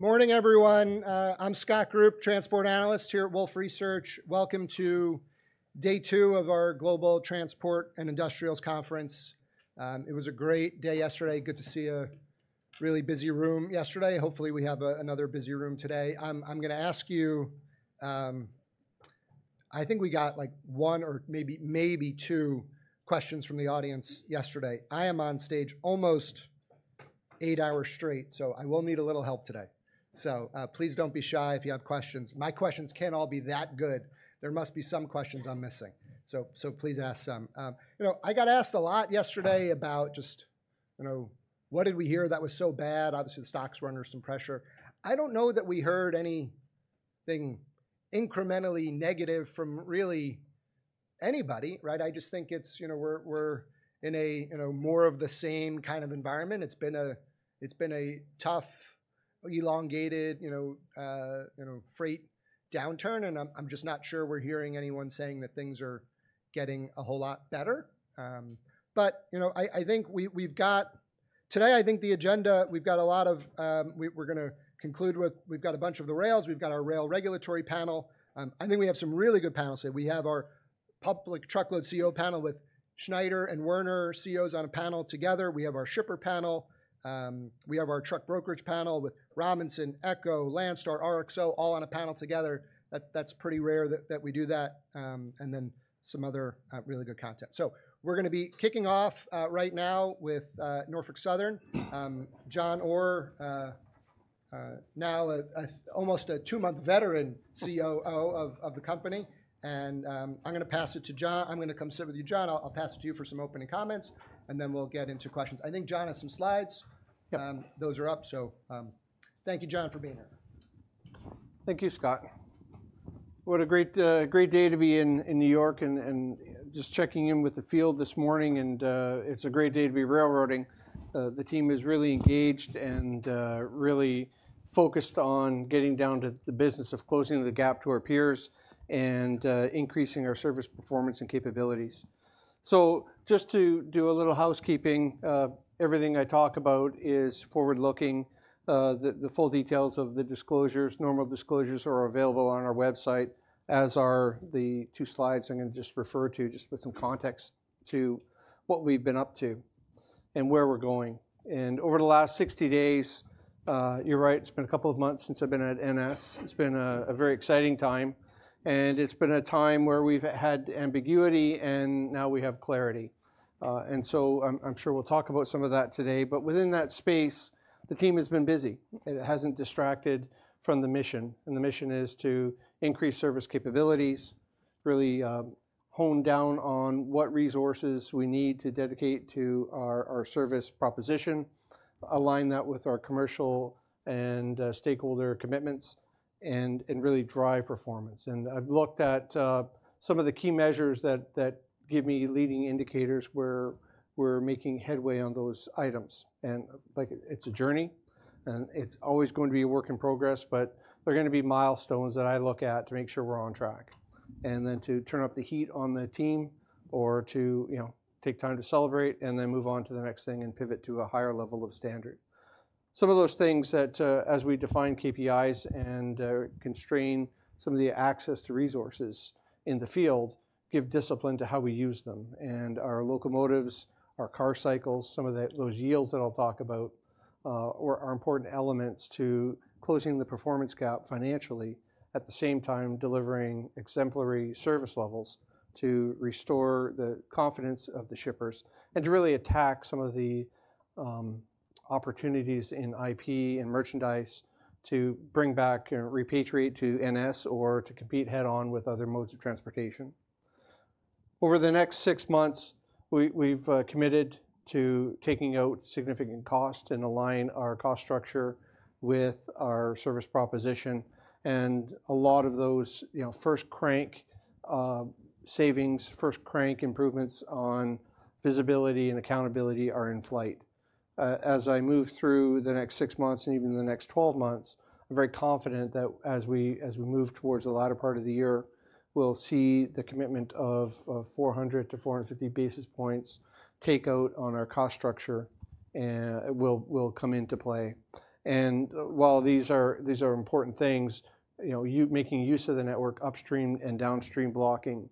Morning, everyone. I'm Scott Group, transport analyst here at Wolfe Research. Welcome to day two of our Global Transport and Industrials Conference. It was a great day yesterday. Good to see a really busy room yesterday. Hopefully, we have another busy room today. I'm gonna ask you, I think we got, like, one or maybe two questions from the audience yesterday. I am on stage almost eight hours straight, so I will need a little help today. So, please don't be shy if you have questions. My questions can't all be that good. There must be some questions I'm missing. So please ask some. You know, I got asked a lot yesterday about just, you know, what did we hear that was so bad? Obviously, the stocks were under some pressure. I don't know that we heard anything incrementally negative from really anybody, right? I just think it's, you know, we're in a, you know, more of the same kind of environment. It's been a tough, elongated, you know, you know, freight downturn, and I'm just not sure we're hearing anyone saying that things are getting a whole lot better. But, you know, I think we've got... Today, I think the agenda, we've got a lot of, we're gonna conclude with, we've got a bunch of the rails. We've got our rail regulatory panel. I think we have some really good panels today. We have our public truckload Co panel with Schneider and Werner, Co's on a panel together. We have our shipper panel. We have our truck brokerage panel with Robinson, Echo, Landstar, RXO, all on a panel together. That's pretty rare that we do that. And then some other really good content. So we're gonna be kicking off right now with Norfolk Southern. John Orr, now almost a two-month veteran COO of the company, and I'm gonna pass it to John. I'm gonna come sit with you, John. I'll pass it to you for some opening comments, and then we'll get into questions. I think John has some slides. Those are up, so thank you, John, for being here. Thank you, Scott. What a great day to be in New York and just checking in with the field this morning, and it's a great day to be railroading. The team is really engaged and really focused on getting down to the business of closing the gap to our peers and increasing our service performance and capabilities. So just to do a little housekeeping, everything I talk about is forward-looking. The full details of the disclosures, normal disclosures are available on our website, as are the 2 slides I'm gonna just refer to, just put some context to what we've been up to and where we're going. And over the last 60 days, you're right, it's been a couple of months since I've been at NS. It's been a very exciting time, and it's been a time where we've had ambiguity, and now we have clarity. And so I'm sure we'll talk about some of that today, but within that space, the team has been busy. It hasn't distracted from the mission, and the mission is to increase service capabilities, really, hone down on what resources we need to dedicate to our our service proposition, align that with our commercial and, stakeholder commitments and really drive performance. And I've looked at some of the key measures that give me leading indicators where we're making headway on those items. And, like, it's a journey, and it's always going to be a work in progress, but there are gonna be milestones that I look at to make sure we're on track. And then to turn up the heat on the team or to, you know, take time to celebrate and then move on to the next thing and pivot to a higher level of standard. Some of those things that, as we define KPIs and, constrain some of the access to resources in the field, give discipline to how we use them. And our locomotives, our car cycles, some of the—those yields that I'll talk about, are important elements to closing the performance gap financially, at the same time delivering exemplary service levels to restore the confidence of the shippers and to really attack some of the, opportunities in IP and merchandise to bring back and repatriate to NS or to compete head-on with other modes of transportation. Over the next six months, we've committed to taking out significant cost and align our cost structure with our service proposition, and a lot of those, you know, first crank savings, first crank improvements on visibility and accountability are in flight. As I move through the next six months and even the next twelve months, I'm very confident that as we move towards the latter part of the year, we'll see the commitment of 400-450 basis points take out on our cost structure and will come into play. While these are, these are important things, you know, making use of the network upstream and downstream blocking,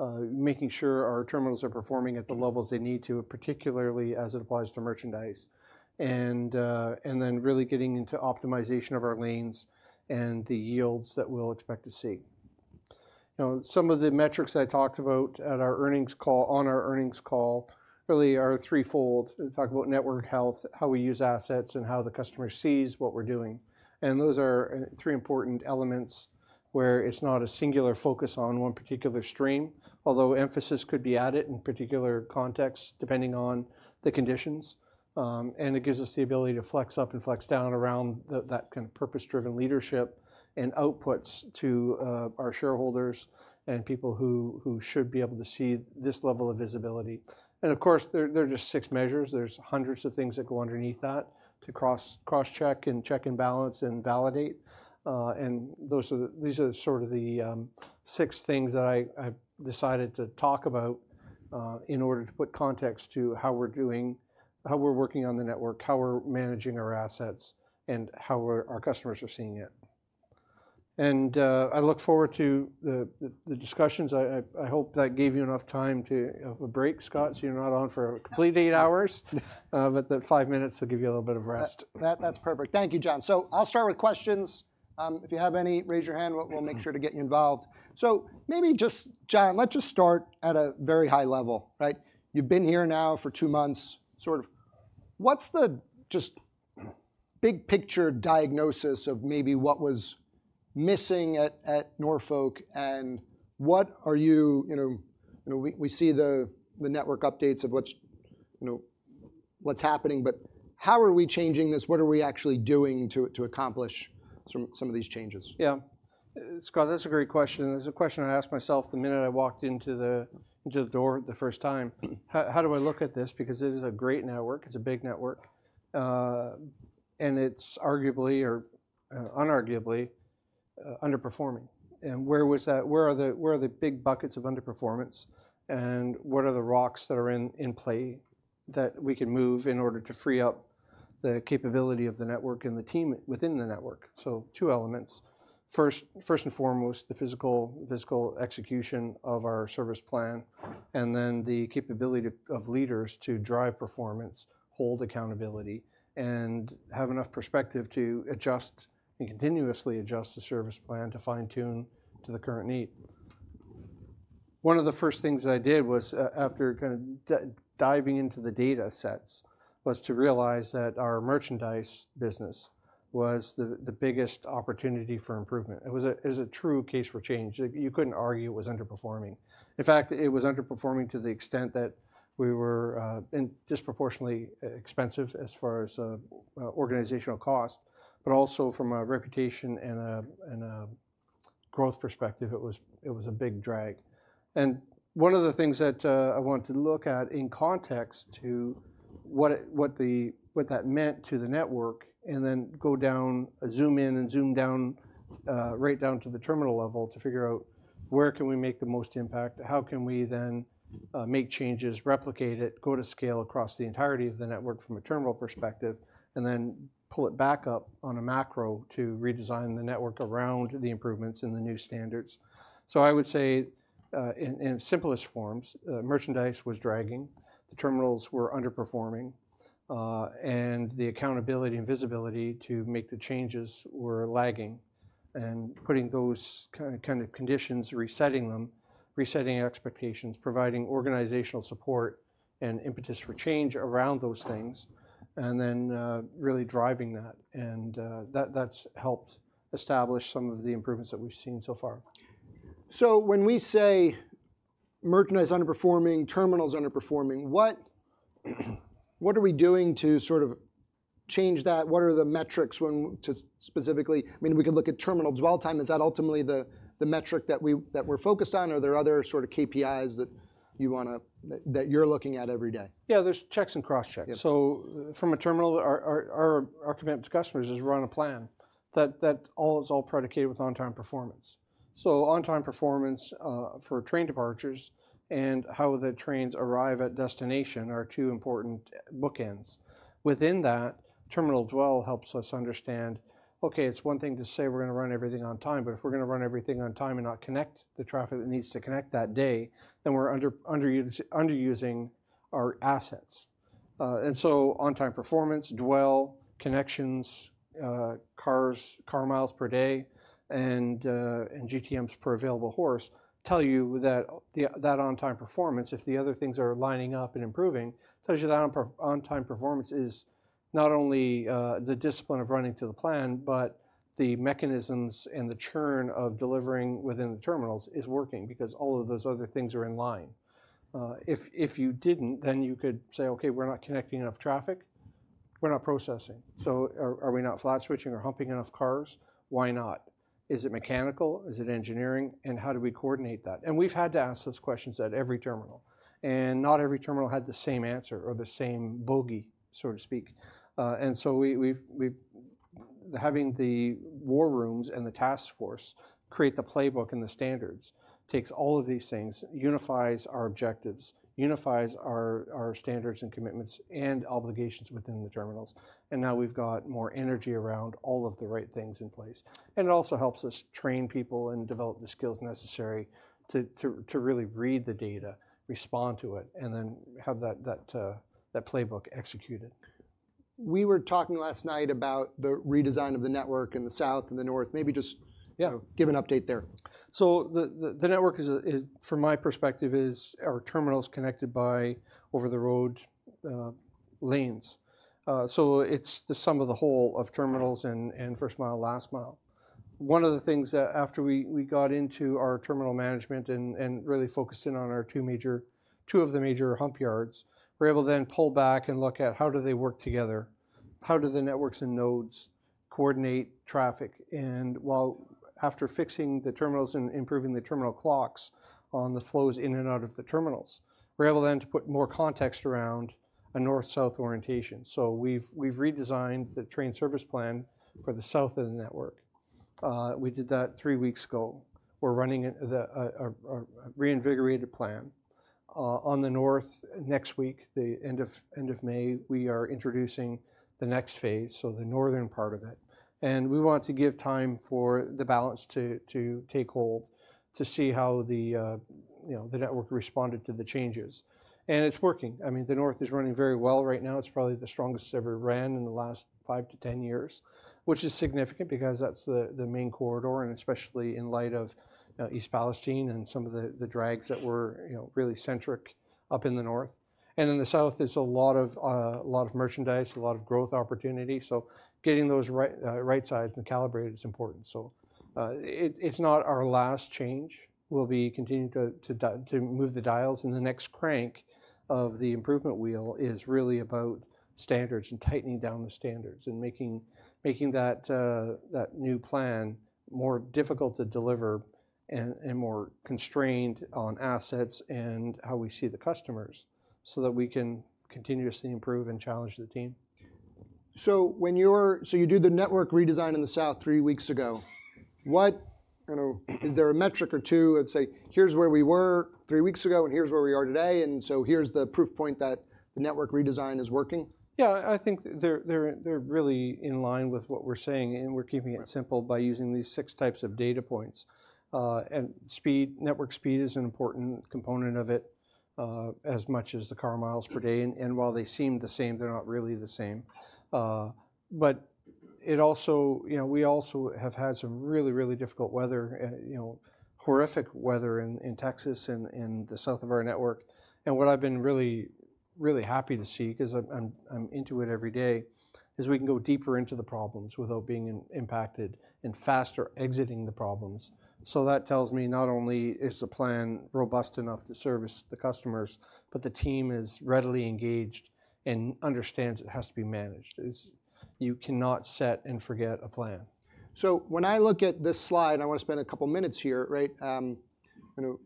making sure our terminals are performing at the levels they need to, particularly as it applies to merchandise, and, and then really getting into optimization of our lanes and the yields that we'll expect to see. You know, some of the metrics I talked about at our earnings call, on our earnings call really are threefold. We talk about network health, how we use assets, and how the customer sees what we're doing. And those are three important elements where it's not a singular focus on one particular stream, although emphasis could be added in particular contexts, depending on the conditions. And it gives us the ability to flex up and flex down around that kind of purpose-driven leadership and outputs to our shareholders and people who should be able to see this level of visibility. Of course, there are just six measures. There's hundreds of things that go underneath that to cross-check and check and balance and validate. And those are the—these are sort of the six things that I decided to talk about in order to put context to how we're doing, how we're working on the network, how we're managing our assets, and how our customers are seeing it... and I look forward to the discussions. I hope that gave you enough time to have a break, Scott, so you're not on for a complete eight hours. But the five minutes will give you a little bit of rest. That, that's perfect. Thank you, John. So I'll start with questions. If you have any, raise your hand, we'll make sure to get you involved. So maybe just, John, let's just start at a very high level, right? You've been here now for two months, sort of. What's the just big picture diagnosis of maybe what was missing at Norfolk, and what are you, you know... You know, we see the network updates of what's, you know, what's happening, but how are we changing this? What are we actually doing to accomplish some of these changes? Yeah. Scott, that's a great question, and it's a question I asked myself the minute I walked into the door the first time: How do I look at this? Because it is a great network, it's a big network, and it's arguably or unarguably underperforming. And where are the big buckets of underperformance, and what are the rocks that are in play that we can move in order to free up the capability of the network and the team within the network? So two elements. First and foremost, the physical execution of our service plan, and then the capability of leaders to drive performance, hold accountability, and have enough perspective to adjust and continuously adjust the service plan to fine-tune to the current need. One of the first things I did was, after kind of diving into the data sets, was to realize that our merchandise business was the biggest opportunity for improvement. It was a true case for change. You couldn't argue it was underperforming. In fact, it was underperforming to the extent that we were disproportionately expensive as far as organizational cost, but also from a reputation and a growth perspective, it was a big drag. And one of the things that I wanted to look at in context to what that meant to the network, and then go down, zoom in and zoom down, right down to the terminal level to figure out, where can we make the most impact? How can we then make changes, replicate it, go to scale across the entirety of the network from a terminal perspective, and then pull it back up on a macro to redesign the network around the improvements and the new standards? So I would say, in simplest forms, merchandise was dragging, the terminals were underperforming, and the accountability and visibility to make the changes were lagging. And putting those kind of conditions, resetting them, resetting expectations, providing organizational support and impetus for change around those things, and then really driving that, and that's helped establish some of the improvements that we've seen so far. So when we say merchandise underperforming, terminals underperforming, what are we doing to sort of change that? What are the metrics to specifically... I mean, we could look at terminal dwell time. Is that ultimately the metric that we're focused on, or are there other sort of KPIs that you wanna, that you're looking at every day? Yeah, there's checks and crosschecks. Yeah. So from a terminal, our commitment to customers is run a plan, that all is all predicated with on-time performance. So on-time performance for train departures and how the trains arrive at destination are two important bookends. Within that, terminal dwell helps us understand, okay, it's one thing to say we're gonna run everything on time, but if we're gonna run everything on time and not connect the traffic that needs to connect that day, then we're underusing our assets. And so on-time performance, dwell, connections, cars, car miles per day, and GTMs per available horsepower tell you that on-time performance, if the other things are lining up and improving, tells you that on-time performance is not only the discipline of running to the plan, but the mechanisms and the churn of delivering within the terminals is working because all of those other things are in line. If you didn't, then you could say, "Okay, we're not connecting enough traffic. We're not processing. So are we not flat switching or humping enough cars? Why not? Is it mechanical? Is it engineering? And how do we coordinate that?" And we've had to ask those questions at every terminal, and not every terminal had the same answer or the same bogey, so to speak. And so we, we've, we've... Having the war rooms and the task force create the playbook and the standards takes all of these things, unifies our objectives, unifies our standards and commitments, and obligations within the terminals, and now we've got more energy around all of the right things in place. And it also helps us train people and develop the skills necessary to really read the data, respond to it, and then have that playbook executed. We were talking last night about the redesign of the network in the south and the north. Maybe just- Yeah... give an update there. So the network is, from my perspective, is our terminals connected by over-the-road lanes. So it's the sum of the whole of terminals and first mile, last mile. One of the things that after we got into our terminal management and really focused in on our two major- two of the major hump yards, we're able then to pull back and look at how do they work together? How do the networks and nodes coordinate traffic? Well, after fixing the terminals and improving the terminal clocks on the flows in and out of the terminals, we're able then to put more context around a north-south orientation. So we've redesigned the train service plan for the south of the network. We did that three weeks ago. We're running it, a reinvigorated plan. On the north next week, end of May, we are introducing the next phase, so the northern part of it. And we want to give time for the balance to take hold, to see how the, you know, the network responded to the changes. And it's working. I mean, the north is running very well right now. It's probably the strongest it's ever ran in the last 5-10 years, which is significant because that's the main corridor, and especially in light of East Palestine and some of the drags that were, you know, really centric up in the north. And in the south, there's a lot of merchandise, a lot of growth opportunity, so getting those right, right-sized and calibrated is important. So, it's not our last change. We'll be continuing to move the dials, and the next crank of the improvement wheel is really about standards and tightening down the standards and making that new plan more difficult to deliver and more constrained on assets and how we see the customers so that we can continuously improve and challenge the team. So you do the network redesign in the south three weeks ago. What I know is there a metric or two, let's say, here's where we were three weeks ago, and here's where we are today, and so here's the proof point that the network redesign is working? Yeah, I think they're really in line with what we're saying, and we're keeping it simple by using these six types of data points. And speed, network speed is an important component of it, as much as the car miles per day, and while they seem the same, they're not really the same. But it also... You know, we also have had some really, really difficult weather and, you know, horrific weather in Texas and in the south of our network. And what I've been really, really happy to see, 'cause I'm into it every day, is we can go deeper into the problems without being impacted and faster exiting the problems. So that tells me not only is the plan robust enough to service the customers, but the team is readily engaged and understands it has to be managed. It's. You cannot set and forget a plan. So when I look at this slide, I wanna spend a couple minutes here, right? You know,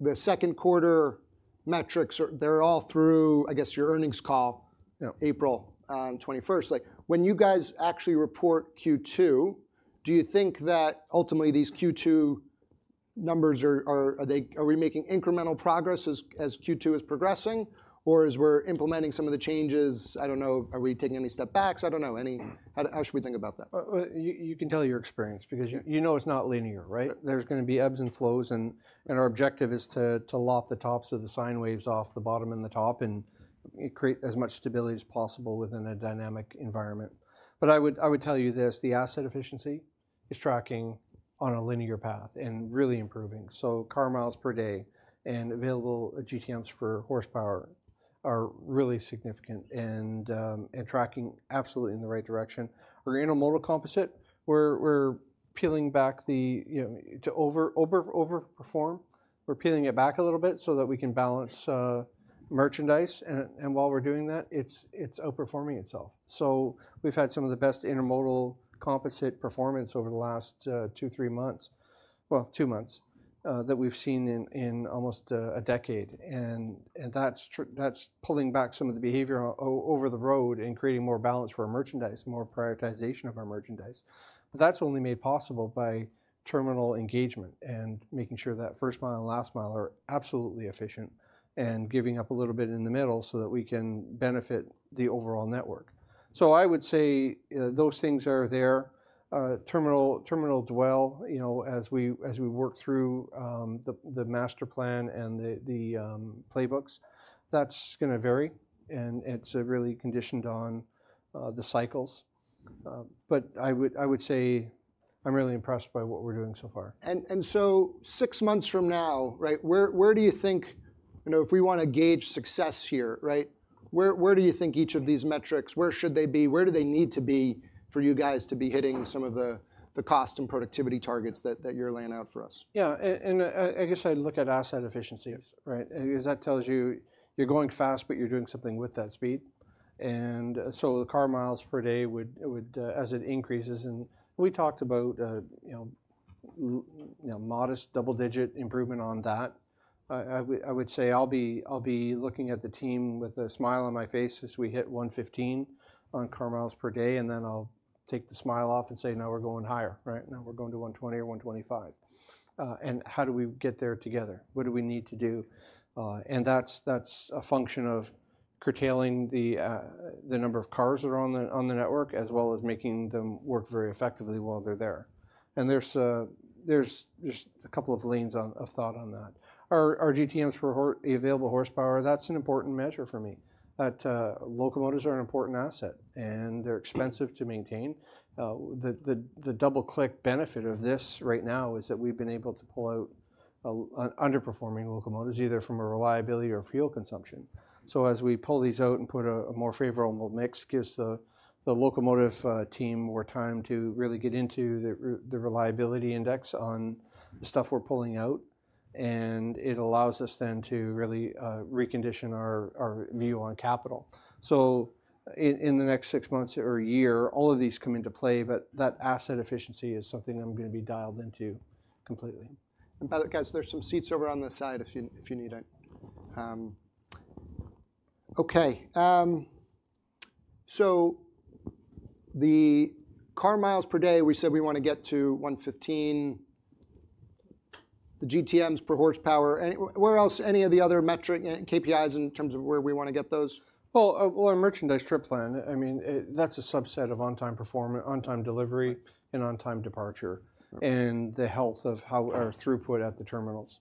the second quarter metrics are, they're all through, I guess, your earnings call- Yeah... April, twenty-first. Like, when you guys actually report Q2, do you think that ultimately these Q2 numbers are they— are we making incremental progress as Q2 is progressing? Or as we're implementing some of the changes, I don't know, are we taking any step backs? I don't know. Any- Mm. How should we think about that? You can tell your experience because- Yeah... you know it's not linear, right? Yep. There's gonna be ebbs and flows, and our objective is to lop the tops of the sine waves off the bottom and the top and create as much stability as possible within a dynamic environment. But I would tell you this: the asset efficiency is tracking on a linear path and really improving. So car miles per day and available GTMs for horsepower are really significant and tracking absolutely in the right direction. Our intermodal composite, we're peeling back the, you know... To overperform, we're peeling it back a little bit so that we can balance merchandise. And while we're doing that, it's outperforming itself. So we've had some of the best intermodal composite performance over the last 2, 3 months, well, 2 months, that we've seen in almost a decade, and that's pulling back some of the behavior over the road and creating more balance for our merchandise, more prioritization of our merchandise. But that's only made possible by terminal engagement and making sure that first mile and last mile are absolutely efficient and giving up a little bit in the middle so that we can benefit the overall network. So I would say those things are there. Terminal dwell, you know, as we work through the master plan and the playbooks, that's gonna vary, and it's really conditioned on the cycles. But I would say I'm really impressed by what we're doing so far. Six months from now, right, where do you think... You know, if we wanna gauge success here, right, where do you think each of these metrics, where should they be? Where do they need to be for you guys to be hitting some of the cost and productivity targets that you're laying out for us? Yeah, I guess I'd look at asset efficiency, right? Because that tells you you're going fast, but you're doing something with that speed. And so the car miles per day would as it increases, and we talked about, you know, modest double-digit improvement on that. I would say I'll be looking at the team with a smile on my face as we hit 115 on car miles per day, and then I'll take the smile off and say, "Now we're going higher," right? Now we're going to 120 or 125. And how do we get there together? What do we need to do? And that's, that's a function of curtailing the number of cars that are on the network, as well as making them work very effectively while they're there. And there's, there's just a couple of lines of thought on that. Our, our GTMs for the available horsepower, that's an important measure for me. That, locomotives are an important asset, and they're expensive to maintain. The double-click benefit of this right now is that we've been able to pull out underperforming locomotives, either from a reliability or fuel consumption. So as we pull these out and put a more favorable mix, gives the locomotive team more time to really get into the reliability index on the stuff we're pulling out, and it allows us then to really recondition our view on capital. So in the next six months or a year, all of these come into play, but that asset efficiency is something I'm gonna be dialed into completely. And by the way, guys, there's some seats over on the side if you, if you need it. Okay, so the car miles per day, we said we want to get to 115. The GTMs per horsepower, any, where else, any of the other metric, KPIs in terms of where we want to get those? Well, our merchandise trip plan, I mean, that's a subset of on-time delivery and on-time departure. Okay... and the health of how our throughput at the terminals.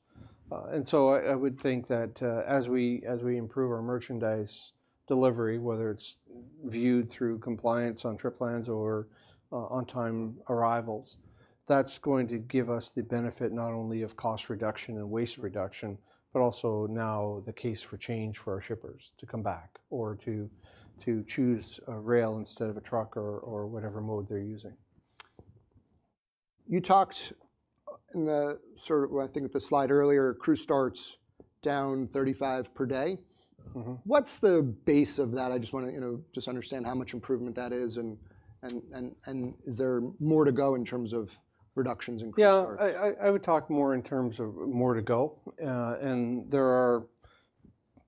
And so I would think that, as we improve our merchandise delivery, whether it's viewed through compliance on trip plans or on-time arrivals, that's going to give us the benefit not only of cost reduction and waste reduction, but also now the case for change for our shippers to come back or to choose rail instead of a truck or whatever mode they're using. You talked in the sort of, I think the slide earlier, crew starts down 35 per day. Mm-hmm. What's the base of that? I just wanna, you know, just understand how much improvement that is, and is there more to go in terms of reductions in crew starts? Yeah, I would talk more in terms of more to go. And there are...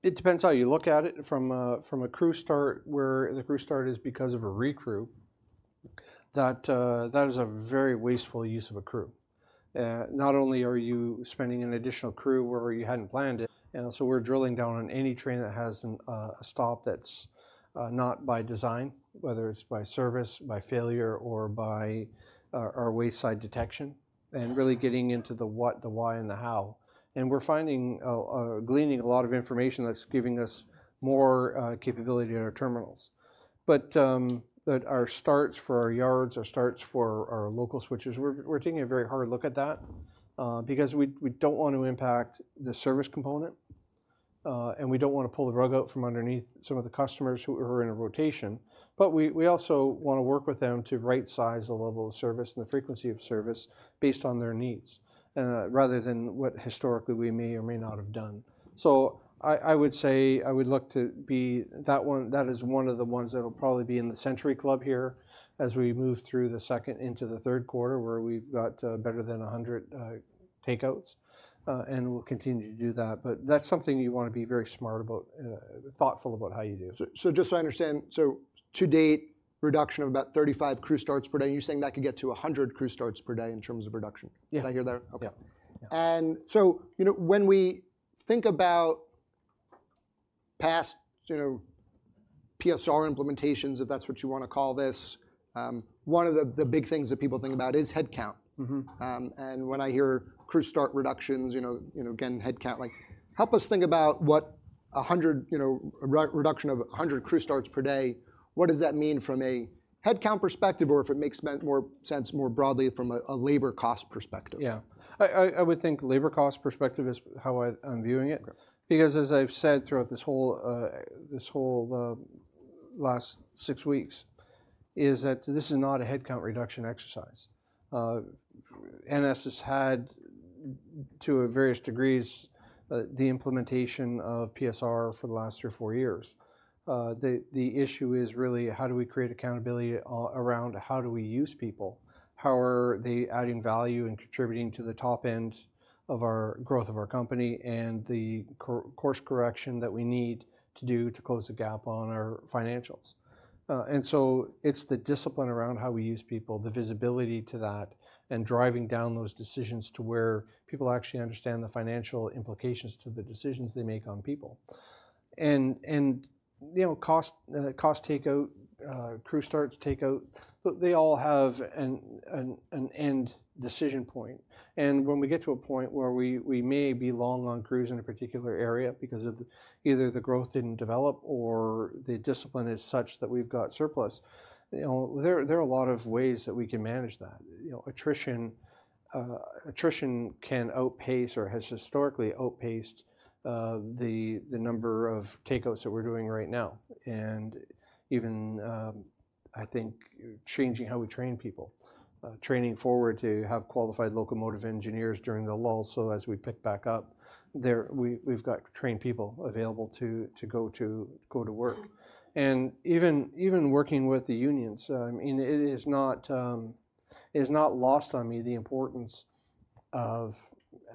It depends how you look at it. From a crew start, where the crew start is because of a recrew, that is a very wasteful use of a crew. Not only are you spending an additional crew where you hadn't planned it, and so we're drilling down on any train that has a stop that's not by design, whether it's by service, by failure, or by our wayside detection, and really getting into the what, the why, and the how. And we're finding gleaning a lot of information that's giving us more capability at our terminals. But that are starts for our yards, our starts for our local switchers, we're taking a very hard look at that, because we don't want to impact the service component, and we don't want to pull the rug out from underneath some of the customers who are in a rotation. But we also want to work with them to right-size the level of service and the frequency of service based on their needs, rather than what historically we may or may not have done. So I would say that is one of the ones that'll probably be in the century club here as we move through the second into the third quarter, where we've got better than 100 takeouts, and we'll continue to do that. But that's something you want to be very smart about, thoughtful about how you do it. So, just so I understand, to date, reduction of about 35 crew starts per day, you're saying that could get to 100 crew starts per day in terms of reduction? Yeah. Did I hear that right? Yeah. Okay. Yeah. And so, you know, when we think about past, you know, PSR implementations, if that's what you want to call this, one of the big things that people think about is headcount. Mm-hmm. When I hear crew start reductions, you know, you know, again, headcount, like, help us think about what 100, you know, reduction of 100 crew starts per day, what does that mean from a headcount perspective, or if it makes more sense more broadly from a labor cost perspective? Yeah. I would think labor cost perspective is how I'm viewing it. Okay. Because as I've said throughout this whole, this whole last six weeks, is that this is not a headcount reduction exercise. NS has had, to various degrees, the implementation of PSR for the last 3 or 4 years. The issue is really how do we create accountability around how do we use people? How are they adding value and contributing to the top end of our growth of our company and the course correction that we need to do to close the gap on our financials? And so it's the discipline around how we use people, the visibility to that, and driving down those decisions to where people actually understand the financial implications to the decisions they make on people. And you know, cost takeout, crew starts takeout, they all have an end decision point. When we get to a point where we may be long on crews in a particular area because of either the growth didn't develop or the discipline is such that we've got surplus, you know, there are a lot of ways that we can manage that. You know, attrition can outpace or has historically outpaced the number of takeouts that we're doing right now, and even I think changing how we train people. Training forward to have qualified locomotive engineers during the lull, so as we pick back up, we've got trained people available to go to work. Even working with the unions, I mean, it is not lost on me the importance of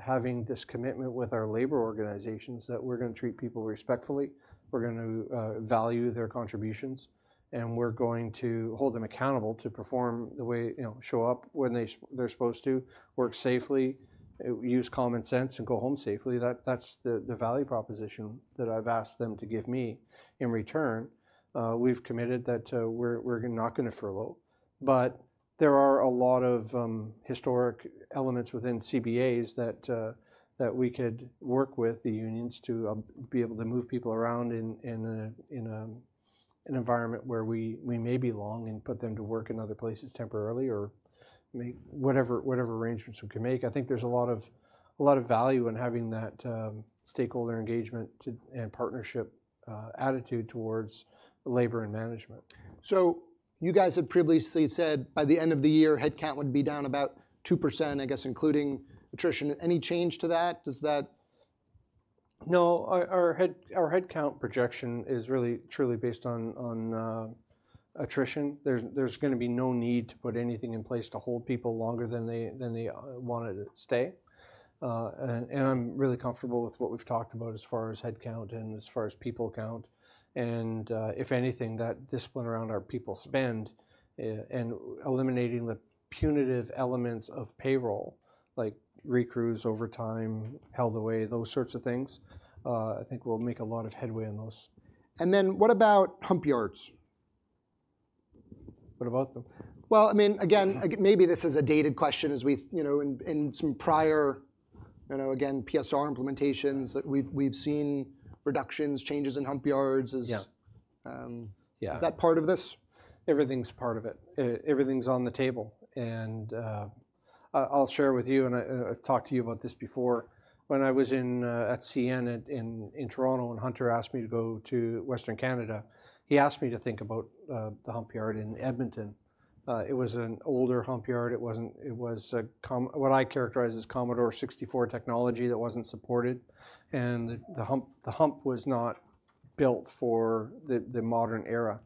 having this commitment with our labor organizations that we're gonna treat people respectfully, we're going to value their contributions, and we're going to hold them accountable to perform the way... you know, show up when they're supposed to, work safely, use common sense, and go home safely. That's the value proposition that I've asked them to give me in return. We've committed that we're not gonna furlough, but there are a lot of historic elements within CBAs that we could work with the unions to be able to move people around in an environment where we may be long and put them to work in other places temporarily or make whatever arrangements we can make. I think there's a lot of value in having that stakeholder engagement to and partnership attitude towards labor and management. So you guys have previously said by the end of the year, headcount would be down about 2%, I guess, including attrition. Any change to that? Does that- No, our headcount projection is really truly based on attrition. There's gonna be no need to put anything in place to hold people longer than they wanted to stay. And I'm really comfortable with what we've talked about as far as headcount and as far as people count. And if anything, that discipline around our people spend and eliminating the punitive elements of payroll, like recrews, overtime, held away, those sorts of things, I think we'll make a lot of headway on those. And then what about hump yards? What about them? Well, I mean, again, maybe this is a dated question as we've... You know, in some prior, you know, again, PSR implementations that we've seen reductions, changes in hump yards as- Yeah. Um- Yeah. Is that part of this? Everything's part of it. Everything's on the table, and I, I'll share with you, and I, I've talked to you about this before. When I was at CN in Toronto, and Hunter asked me to go to Western Canada, he asked me to think about the hump yard in Edmonton. It was an older hump yard. It was what I characterize as Commodore 64 technology that wasn't supported, and the hump was not built for the modern era.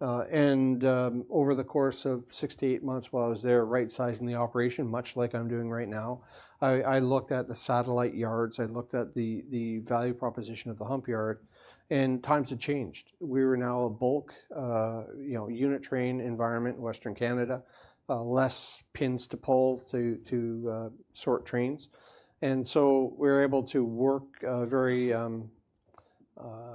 Over the course of 6-8 months while I was there, right-sizing the operation, much like I'm doing right now, I looked at the satellite yards, I looked at the value proposition of the hump yard, and times had changed. We were now a bulk, you know, unit train environment, Western Canada. Less pins to pull to sort trains, and so we were able to work very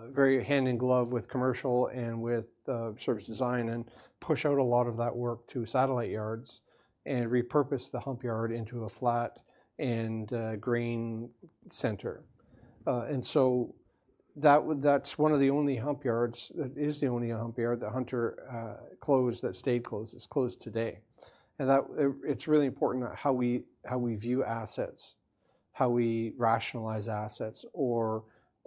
very hand in glove with commercial and with service design and push out a lot of that work to satellite yards and repurpose the hump yard into a flat and grain center. And so that's one of the only hump yards. It is the only hump yard that Hunter closed, that stayed closed. It's closed today, and that's really important how we view assets, how we rationalize assets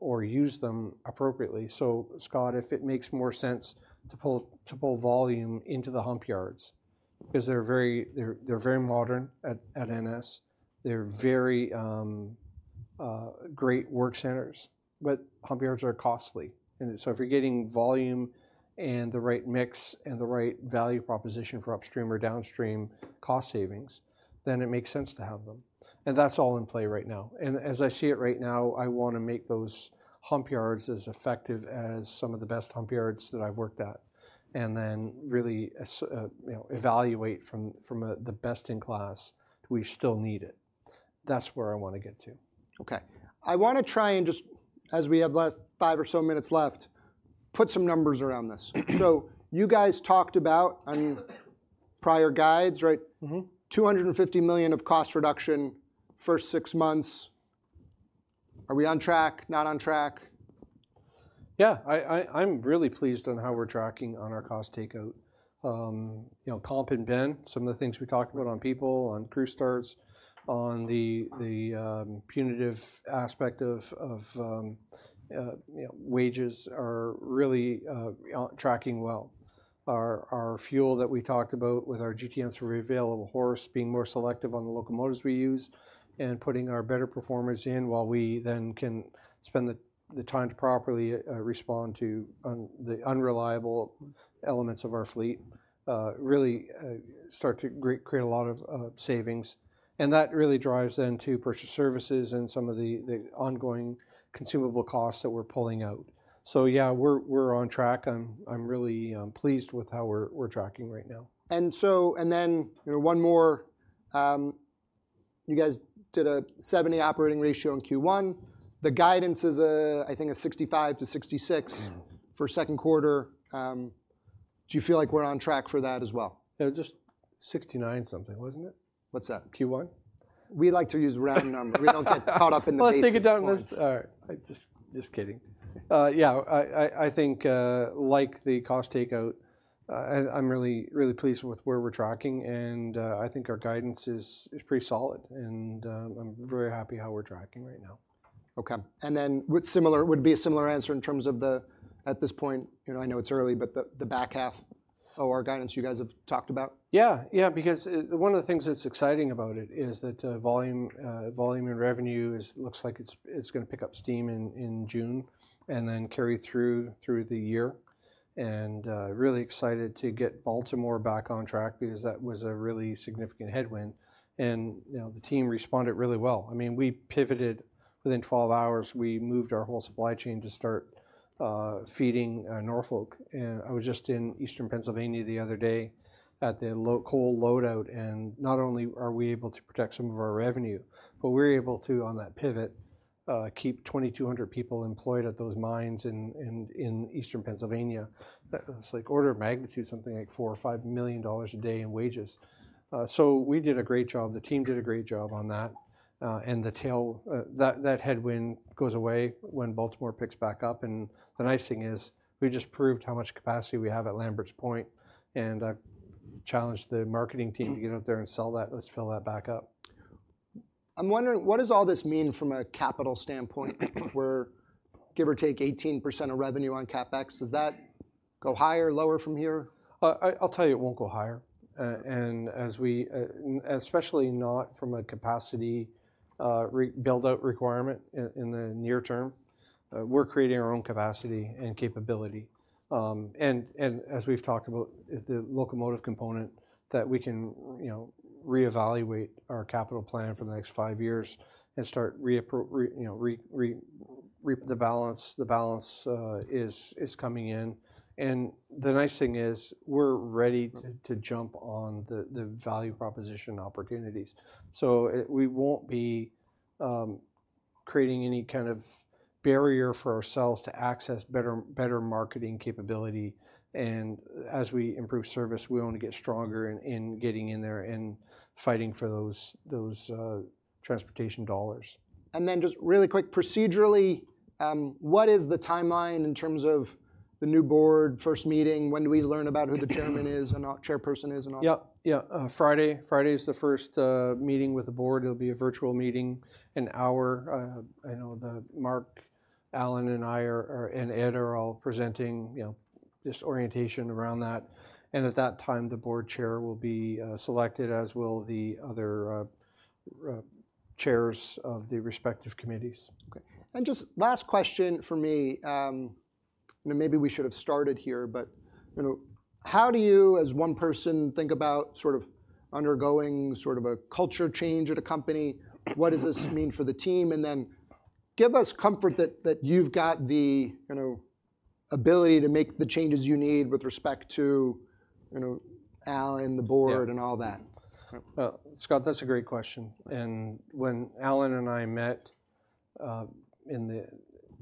or use them appropriately. So Scott, if it makes more sense to pull volume into the hump yards, 'cause they're very modern at NS. They're very great work centers, but hump yards are costly. So if you're getting volume and the right mix and the right value proposition for upstream or downstream cost savings, then it makes sense to have them, and that's all in play right now. And as I see it right now, I wanna make those hump yards as effective as some of the best hump yards that I've worked at, and then really as you know evaluate from a the best-in-class, do we still need it? That's where I wanna get to. Okay. I wanna try and just, as we have, like, five or so minutes left, put some numbers around this. So you guys talked about on prior guides, right? Mm-hmm. $250 million of cost reduction, first six months. Are we on track? Not on track? Yeah, I'm really pleased on how we're tracking on our cost takeout. You know, comp and ben, some of the things we talked about on people, on crew starts, on the punitive aspect of wages are really tracking well. Our fuel that we talked about with our GTM's available horsepower being more selective on the locomotives we use, and putting our better performers in, while we then can spend the time to properly respond to the unreliable elements of our fleet really start to create a lot of savings, and that really drives then to purchase services and some of the ongoing consumable costs that we're pulling out. So yeah, we're on track. I'm really pleased with how we're tracking right now. And then, you know, one more, you guys did a 70% operating ratio in Q1. The guidance is, I think, a 65%-66%- Mm-hmm... for second quarter. Do you feel like we're on track for that as well? Yeah, just 69 something, wasn't it? What's that? Q1. We like to use round numbers. We don't get caught up in the basics- Let's take it down. Let's, just kidding. Yeah, I think, like the cost takeout, I'm really, really pleased with where we're tracking, and I think our guidance is pretty solid, and I'm very happy how we're tracking right now. Okay, and then would it be a similar answer in terms of the, at this point, you know, I know it's early, but the back half, or guidance you guys have talked about? Yeah, yeah, because it, one of the things that's exciting about it is that, volume, volume and revenue is, looks like it's, it's gonna pick up steam in June, and then carry through the year. And really excited to get Baltimore back on track because that was a really significant headwind, and, you know, the team responded really well. I mean, we pivoted. Within 12 hours, we moved our whole supply chain to start feeding Norfolk. And I was just in Eastern Pennsylvania the other day at the coal load out, and not only are we able to protect some of our revenue, but we're able to, on that pivot, keep 2,200 people employed at those mines in Eastern Pennsylvania. That, it's like order of magnitude, something like $4 million-$5 million a day in wages. So we did a great job. The team did a great job on that, and the tail that headwind goes away when Baltimore picks back up, and the nice thing is, we just proved how much capacity we have at Lamberts Point, and I've challenged the marketing team- Mm... to get out there and sell that. Let's fill that back up. ... I'm wondering, what does all this mean from a capital standpoint, where give or take 18% of revenue on CapEx? Does that go higher or lower from here? I'll tell you it won't go higher. And as we, and especially not from a capacity, rebuild-out requirement in, in the near term. We're creating our own capacity and capability. And, and as we've talked about, the locomotive component that we can, you know, re-evaluate our capital plan for the next 5 years and start reappropri-- you know, re, re, re- the balance, the balance, is, is coming in. And the nice thing is we're ready to, to jump on the, the value proposition opportunities. So it, we won't be, creating any kind of barrier for ourselves to access better, better marketing capability, and as we improve service, we only get stronger in, in getting in there and fighting for those, those, transportation dollars. Just really quick, procedurally, what is the timeline in terms of the new board first meeting? When do we learn about who the chairman is and chairperson is and all? Yep. Yeah, Friday. Friday is the first meeting with the board. It'll be a virtual meeting, an hour. I know that Mark, Alan, and I are, and Ed are all presenting, you know, just orientation around that. And at that time, the board chair will be selected, as will the other chairs of the respective committees. Okay, and just last question for me, you know, maybe we should have started here, but, you know, how do you, as one person, think about sort of undergoing sort of a culture change at a company? What does this mean for the team? And then give us comfort that, that you've got the, you know, ability to make the changes you need with respect to, you know, Alan, the board- Yeah... and all that. Well, Scott, that's a great question, and when Alan and I met in the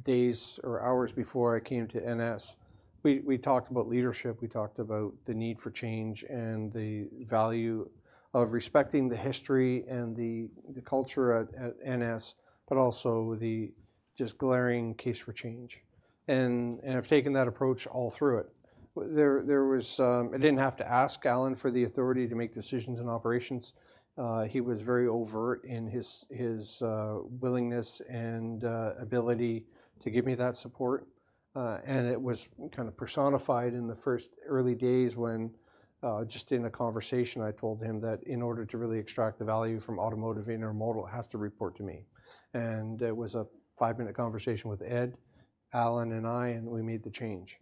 days or hours before I came to NS, we talked about leadership, we talked about the need for change and the value of respecting the history and the culture at NS, but also the just glaring case for change. And I've taken that approach all through it. There was... I didn't have to ask Alan for the authority to make decisions in operations. He was very overt in his willingness and ability to give me that support. And it was kind of personified in the first early days when just in a conversation, I told him that in order to really extract the value from automotive, intermodal, it has to report to me. It was a five-minute conversation with Ed, Alan, and I, and we made the change.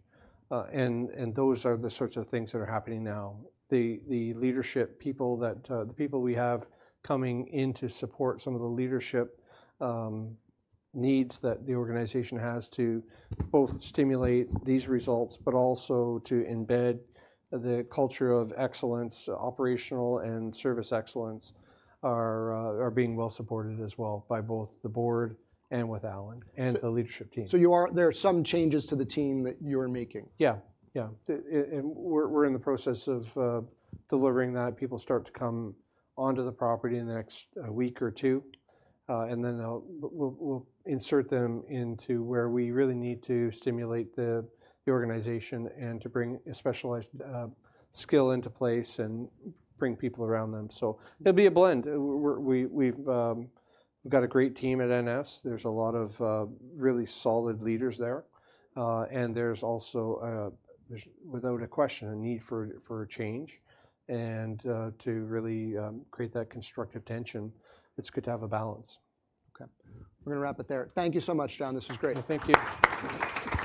And those are the sorts of things that are happening now. The leadership people that the people we have coming in to support some of the leadership needs that the organization has to both stimulate these results but also to embed the culture of excellence, operational and service excellence, are being well supported as well by both the board and with Alan and the leadership team. There are some changes to the team that you are making? Yeah, yeah. And we're in the process of delivering that. People start to come onto the property in the next week or two, and then they'll... We'll insert them into where we really need to stimulate the organization and to bring a specialized skill into place and bring people around them. So it'll be a blend. We've got a great team at NS. There's a lot of really solid leaders there. And there's also, there's, without a question, a need for a change, and to really create that constructive tension, it's good to have a balance. Okay, we're gonna wrap it there. Thank you so much, John. This was great. Thank you. Thanks.